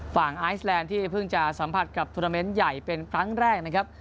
ไอซ์แลนด์ที่เพิ่งจะสัมผัสกับทุนาเมนต์ใหญ่เป็นครั้งแรกนะครับ